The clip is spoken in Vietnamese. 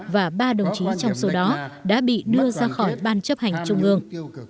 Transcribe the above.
và ba đồng chí trong số đó đã bị đưa ra khỏi ban chấp hành trung ương